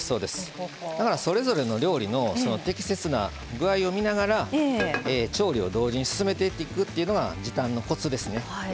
それぞれの料理の適切な具合を見ながら、調理を同時に進めていくっていうのが時短のコツですね。